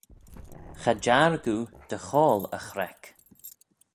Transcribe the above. Cha jarg oo dty choayl y chreck